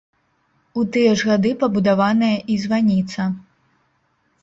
У тыя ж гады пабудаваная і званіца.